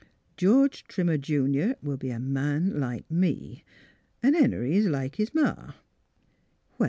George Trimmer, Junior, will be a man like me. An' Henry's like his Ma."